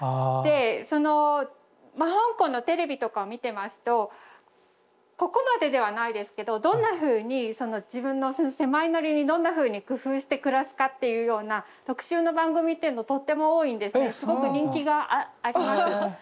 でそのまあ香港のテレビとかを見てますとここまでではないですけどどんなふうに自分の狭いなりにどんなふうに工夫して暮らすかっていうような特集の番組っていうのとっても多いんですねすごく人気があります。